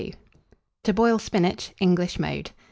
TO BOIL SPINACH (English Mode).